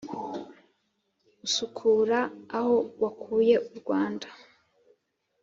usukura aho wakuye u rwanda